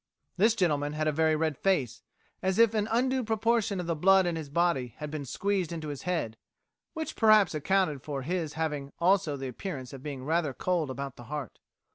This gentleman had a very red face, as if an undue proportion of the blood in his body had been squeezed into his head; which perhaps accounted for his having also the appearance of being rather cold about the heart."